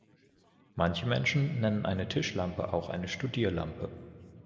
Manche Menschen nennen eine Tischlampe auch eine Studierlampe.